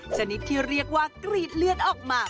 ชนิดที่เรียกว่ากรีดเลือดออกมา